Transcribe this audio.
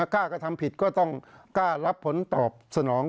กล้ากระทำผิดก็ต้องกล้ารับผลตอบสนอง